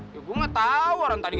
hah bagaimana ini